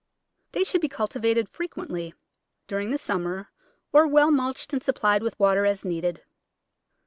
They should be cultivated frequently during the summer or well mulched and supplied with water as needed.